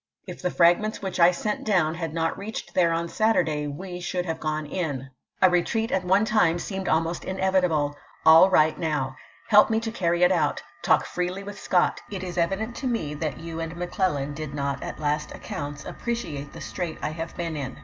If the fragments which I sent down had not reached there on Saturday we should have gone in. A retreat at one time seemed almost inevitable. All right now. Help me to carry it out. Talk freely with Scott. It is evident to me that you and Mc Clellan did not at last accounts appreciate the strait I have been in.